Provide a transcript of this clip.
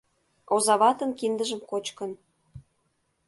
Озаватын киндыжым кочкын.